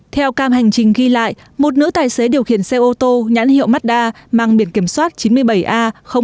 theo cam hành trình ghi lại một nữ tài xế điều khiển xe ô tô nhãn hiệu madda mang biển kiểm soát chín mươi bảy a hai nghìn hai trăm linh ba